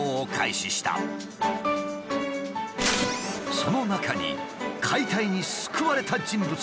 その中に解体に救われた人物がいるという。